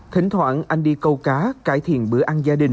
thỉnh thoảng anh đi câu cá cải thiện bữa ăn gia đình